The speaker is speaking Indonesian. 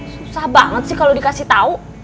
susah banget sih kalo dikasih tau